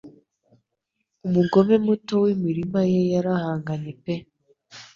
Umugome muto wimirima ye yarahanganye pe